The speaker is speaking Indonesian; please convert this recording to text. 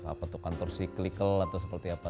apa itu kantor cyclical atau seperti apa